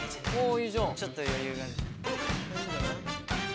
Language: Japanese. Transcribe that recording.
ちょっと余裕がある。